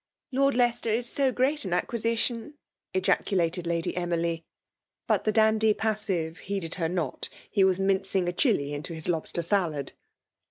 .A " Lord Leicester is so great an acquisition \" ejaculated Lady Emily. But thS ^ndy pas sive heeded her npt. He was mindng a diili into his lobster salad.